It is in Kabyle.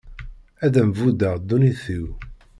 Ad am-buddeɣ ddunit-iw.